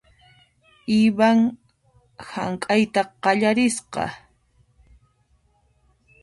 Ivan hank'ayta qallarisqa .